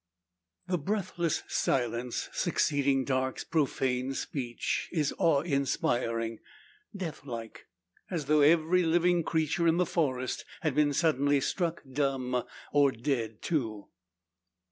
The breathless silence, succeeding Darke's profane speech, is awe inspiring; death like, as though every living creature in the forest had been suddenly struck dumb, or dead, too.